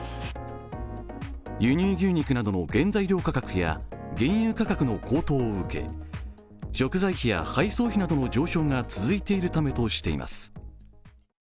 輸入牛肉などの原材料価格や原油価格の高騰を受け、食材費や配送費などの上昇が続いているためとしています。